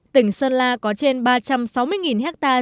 tỉnh sơn la có trên ba trăm sáu mươi ha